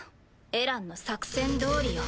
エランの作戦どおりよ。